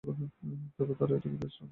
তবে তারা এটিকে বেজ রঙে বলে উল্লেখ করেছিলো।